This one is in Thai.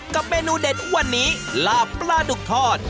เมนูเด็ดวันนี้ลาบปลาดุกทอด